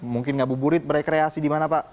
mungkin ngapu puri merekreasi dimana pak